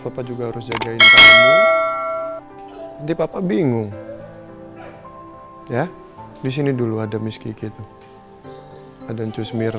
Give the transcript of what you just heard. papa juga harus jagain kamu di papa bingung ya di sini dulu ada miski gitu ada cusmir